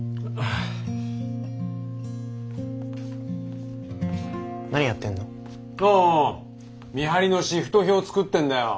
ああ見張りのシフト表作ってんだよ。